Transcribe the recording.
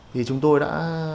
thì chúng tôi đã